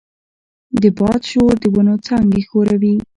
د باد شور د ونو څانګې ښوروي.